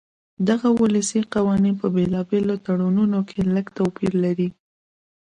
دغه ولسي قوانین په بېلابېلو ټبرونو کې لږ توپیر لري.